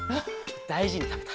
だいじにたべた。